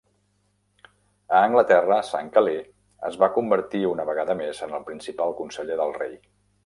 A Anglaterra, St-Calais es va convertir una vegada més en el principal conseller del rei.